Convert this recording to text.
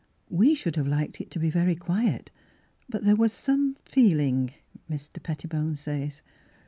We should have liked it to be very quiet, but there was some feeling — Mr. Pettibone says.